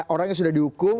orang yang sudah dihukum